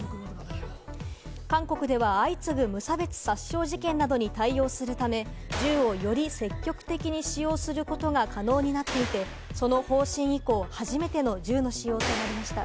韓国では、相次ぐ無差別殺傷事件などに対応するため、銃をより積極的に使用することが可能になっていて、その方針以降、初めての銃の使用となりました。